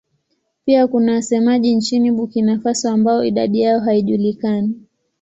Pia kuna wasemaji nchini Burkina Faso ambao idadi yao haijulikani.